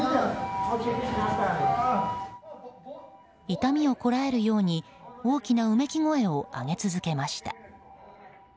痛みをこらえるように大きなうめき声上げ続けました。